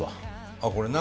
あっこれな。